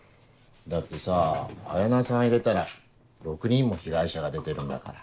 だってさ彩菜さん入れたら６人も被害者が出てるんだから。